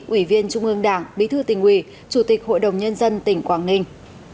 ủy viên trung ương đảng bí thư tỉnh ủy chủ tịch hội đồng nhân dân tỉnh quảng ninh